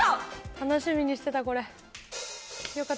楽しみにしてた、これ。